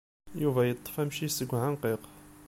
Yuba yeṭṭef amcic seg uɛenqiq.